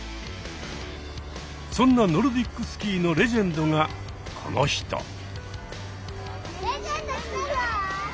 そんなノルディックスキーのレジェンドがこの人。